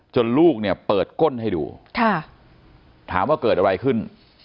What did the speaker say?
ลูกเนี่ยเปิดก้นให้ดูถามว่าเกิดอะไรขึ้น